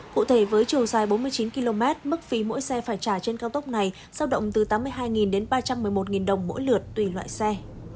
cụ thể với chiều dài bốn mươi chín km mức phí mỗi xe phải trả trên cao tốc này giao động từ tám mươi hai đến ba trăm một mươi một đồng mỗi lượt tùy loại xe